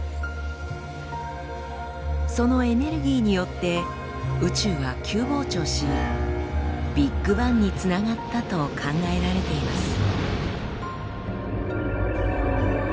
そのエネルギーによって宇宙は急膨張しビッグバンにつながったと考えられています。